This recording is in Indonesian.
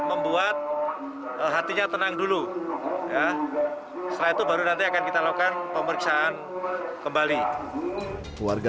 membuat hatinya tenang dulu ya setelah itu baru nanti akan kita lakukan pemeriksaan kembali warga